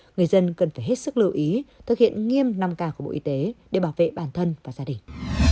người dân cần phải hết sức lưu ý thực hiện nghiêm năm k của bộ y tế để bảo vệ bản thân và gia đình